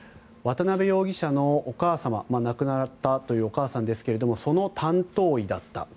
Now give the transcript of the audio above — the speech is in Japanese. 渡邊容疑者のお母様亡くなったというお母さんですがその担当医だった。